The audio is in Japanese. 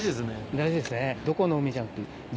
大事ですね。